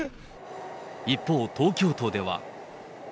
一方、東京都では。